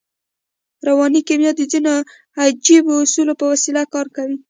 رواني کیمیا د ځينو عجیبو اصولو په وسیله کار کوي